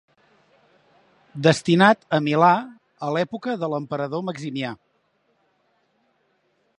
Destinat a Milà a l'època de l'emperador Maximià.